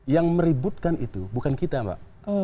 yang meributkan itu bukan kita pak